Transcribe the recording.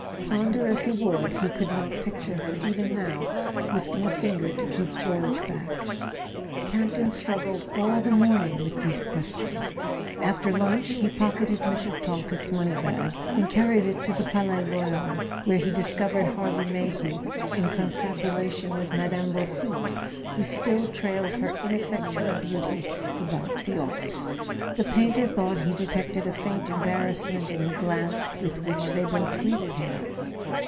Ponder as he would, he could not picture her, even now, lifting a finger to keep George back. [ 345 ] A SON AT THE FRONT Campton struggled all the morning with these ques¬ tions. After lunch he pocketed Mrs. Talkett's money¬ bag and carried it to the Palais Royal, where he dis¬ covered Harvey Mayhew in confabulation with Mme. Beausite, who still trailed her ineffectual beauty about the office. The painter thought he detected a faint embarrassment in the glance with which they both greeted him.